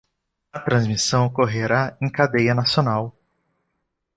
A transmissão ocorrerá em cadeia nacional